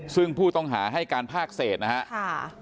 ซึ่งผู้ต้องหาให้การภาคเศษนะครับ